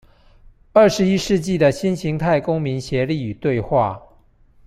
二十一世紀的新型態公民協力與對話